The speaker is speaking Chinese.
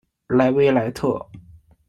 莱维莱特。